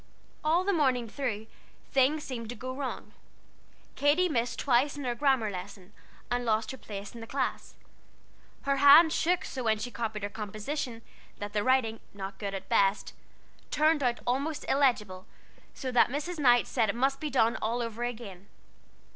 All the morning through, things seemed to go wrong. Katy missed twice in her grammar lesson, and lost her place in the class. Her hand shook so when she copied her composition, that the writing, not good at best, turned out almost illegible, so that Mrs. Knight said it must all be done over again.